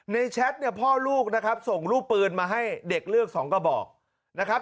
ในแชทพ่อลูกส่งรูปปืนมาให้เด็กเลือก๒กระบอกนะครับ